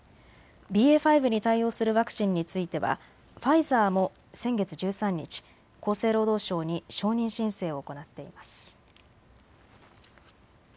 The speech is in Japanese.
ＢＡ．５に対応するワクチンについてはファイザーも先月１３日、厚生労働省に承認申請を行っています。